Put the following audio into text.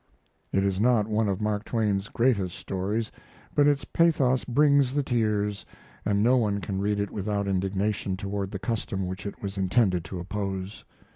It is not one of Mark Twain's greatest stories, but its pathos brings the tears, and no one can read it without indignation toward the custom which it was intended to oppose.